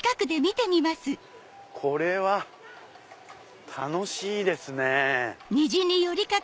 これは楽しいですね。